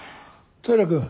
平君。